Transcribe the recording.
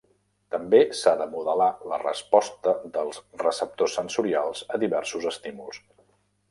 També s'ha de modelar la resposta dels receptors sensorials a diversos estímuls.